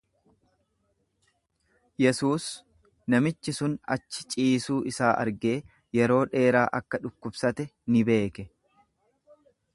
Yesuus namichi sun achi ciisuu isaa argee yeroo dheeraa akka dhukkubsate ni beeke.